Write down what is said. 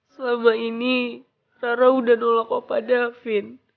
selama ini rara udah nolak opa davin